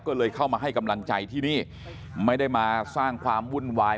ก็เลยเข้ามาให้กำลังใจที่นี่ไม่ได้มาสร้างความวุ่นวาย